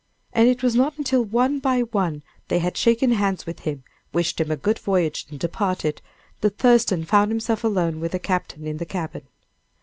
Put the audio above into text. And it was not until one by one they had shaken hands with him, wished him a good voyage and departed, that Thurston found himself alone with the captain in the cabin.